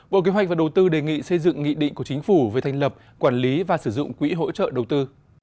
bộ kế hoạch và đầu tư đề nghị xây dựng nghị định của chính phủ về thành lập quản lý và sử dụng quỹ hỗ trợ đầu tư